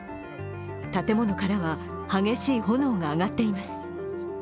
建物からは、激しい炎が上がっています。